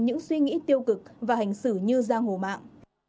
những suy nghĩ tiêu cực và hành xử như giang hồ mạng